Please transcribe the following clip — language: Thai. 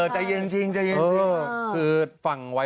จัยเย็นค่ะ